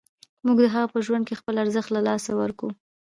موږ د هغه په ژوند کې خپل ارزښت له لاسه ورکوو.